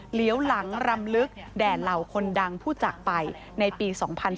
เหลียวหลังรำลึกแด่เหล่าคนดังผู้จักรไปในปี๒๔